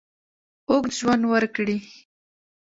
اوږد ژوند ورکړي.